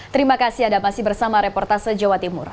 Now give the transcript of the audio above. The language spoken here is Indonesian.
terima kasih anda masih bersama reportase jawa timur